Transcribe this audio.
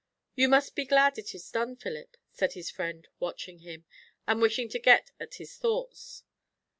"You must be glad it is done, Philip," said his friend, watching him, and wishing to get at his thoughts.